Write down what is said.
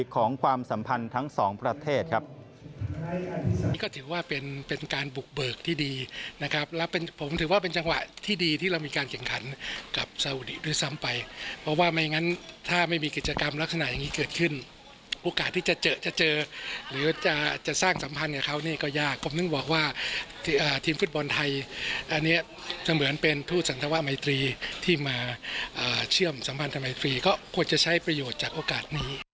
ของความสัมพันธ์ทั้งสองประเทศครับ